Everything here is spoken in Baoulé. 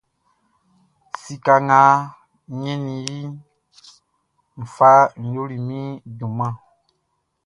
Sika nga n ɲɛnnin iʼn, n fa yoli min junmanʼn.